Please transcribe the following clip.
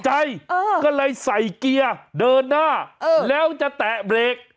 ก็เลยใส่เกียร์เดินหน้าแล้วจะแตะเบรก